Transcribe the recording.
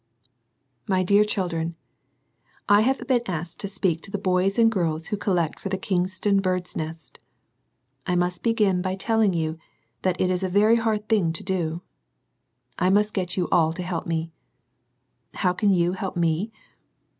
My dear children, I have been asked to speak to the boys and girls who collect for the Kings town "Bird's Nest" I must begin by telling you that it is a very hard thing to do. I must get you all to help me. How can you help me?